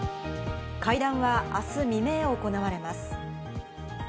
会談はあす未明、行われます。